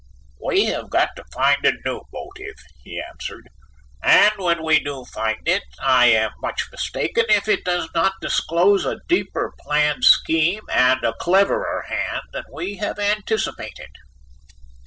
"We have got to find a new motive," he answered, "and when we do find it, I am much mistaken if it does not disclose a deeper planned scheme and a cleverer hand than we have anticipated."